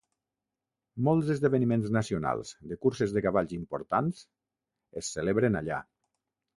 Molts esdeveniments nacionals de curses de cavalls importants es celebren allà.